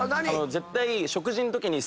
絶対。